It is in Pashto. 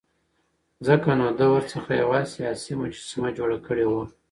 ځکه نو ده ورڅخه یوه سیاسي مجسمه جوړه کړې وه.